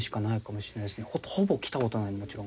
ほぼ来た事ないもちろん。